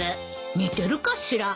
似てるかしら？